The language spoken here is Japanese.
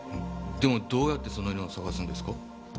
でもどうやってその犬を捜すんですか？